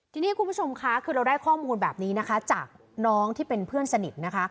ทีนี้คุณผู้ชมค่ะคือเราได้ข้อมูลแบบนี้นะคะจากน้องที่เป็นเพื่อนสนิทนะคะ